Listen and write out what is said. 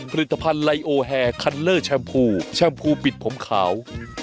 ผลิตภัณฑ์ไลโอแฮคันเลอร์แชมพูแชมพูปิดผมขาว